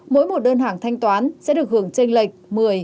mỗi một đơn hàng thanh toán sẽ được đăng bài vào mạng xã hội